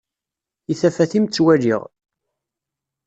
I tafat-im ttwaliɣ.